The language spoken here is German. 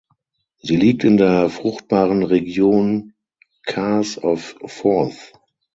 Sie liegt in der fruchtbaren Region Carse of Forth.